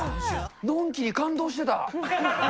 のんきに感動してた。